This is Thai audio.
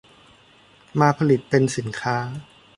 มาผลิตเป็นสินค้า